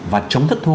và chống thức